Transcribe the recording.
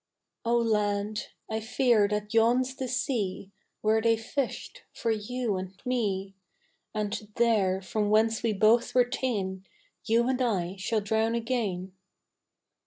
Oh lad, I fear that yon's the sea Where they fished for you and me, And there, from whence we both were ta'en, You and I shall drown again.